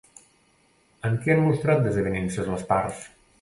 En què han mostrat desavinences les parts?